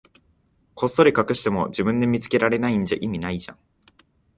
こっそり隠しても、自分で見つけられないんじゃ意味ないじゃん。